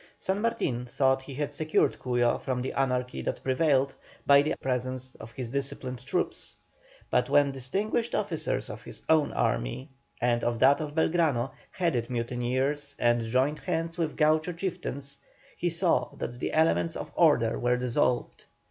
San Martin thought he had secured Cuyo from the anarchy that prevailed by the presence of his disciplined troops, but when distinguished officers of his own army and of that of Belgrano headed mutineers and joined hands with Gaucho chieftains, he saw that the elements of order were dissolved.